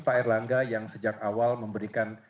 pak erlangga yang sejak awal memberikan